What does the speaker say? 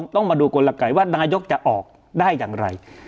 ต้องมาดูกลไกว่านายกจะออกได้อย่างไร